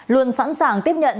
luôn sẵn sàng tiếp nhận